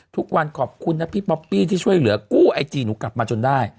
ทุกวันขอบคุณนะพี่ป๊อปปี้ที่ช่วยเหลือกู้ไอจีหนูกลับมาจนได้